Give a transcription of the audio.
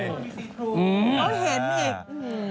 โซนที่ซีทูล